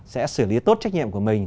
sẽ xử lý tốt trách nhiệm của mình